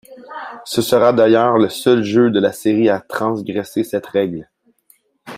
Ce sera d'ailleurs le seul jeu de la série à transgresser cette règle.